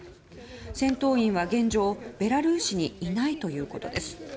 戦闘員は現状、ベラルーシにいないということです。